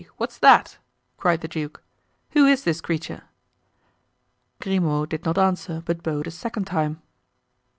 what's that?" cried the duke. "Who is this creature?" Grimaud did not answer, but bowed a second time.